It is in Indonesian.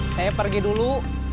saya pergi dulu